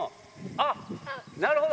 あっ、なるほど。